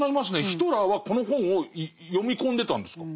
ヒトラーはこの本を読み込んでたんですか？